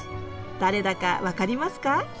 誰だか分かりますか？